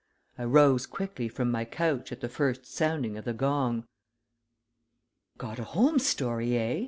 I rose quickly from my couch at the first sounding of the gong. "Got a Holmes story, eh?"